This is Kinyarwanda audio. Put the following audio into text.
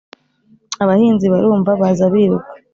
abahinzi barumva, baza biruka,